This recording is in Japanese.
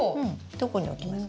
どこに置きますか？